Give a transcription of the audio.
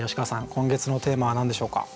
今月のテーマは何でしょうか？